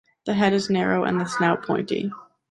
The head is narrow and the snout pointy.